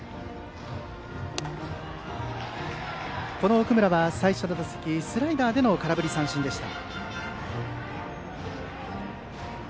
奥村は最初の打席でスライダーでの空振り三振でした。